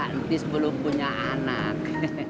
entis belum punya anak